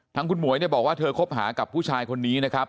ทางคุณหมวยเนี่ยบอกว่าเธอคบหากับผู้ชายคนนี้นะครับ